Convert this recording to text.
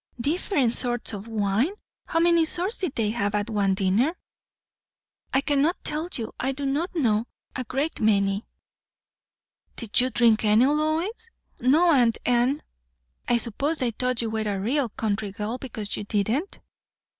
"Different sorts o' wine! How many sorts did they have, at one dinner?" "I cannot tell you. I do not know. A great many." "Did you drink any, Lois?" "No, aunt Anne." "I suppose they thought you were a real country girl, because you didn't?"